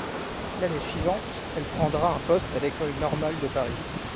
L'année suivante, elle prendra un poste à l'école normale de Paris.